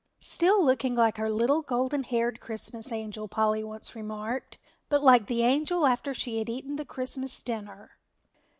Still looking like our little golden haired Christmas angel, Polly once remarked, but like the angel after she had eaten the Christmas dinner.